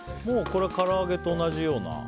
これはから揚げと同じような？